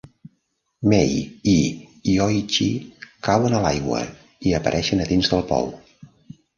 Mai i Yoichi cauen a l'aigua i apareixen a dins del pou.